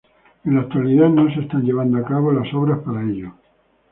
En la actualidad no se están llevando a cabo las obras para ello.